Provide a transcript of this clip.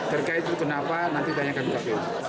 terkait itu kenapa nanti tanyakan ke kpu